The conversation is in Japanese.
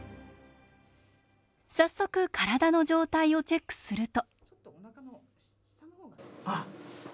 早速体の状態をチェックすると。